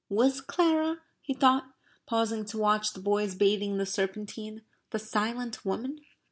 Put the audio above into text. "Was Clara," he thought, pausing to watch the boys bathing in the Serpentine, "the silent woman?